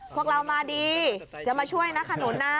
พวกเรามาดีจะมาช่วยนะขนุนนะ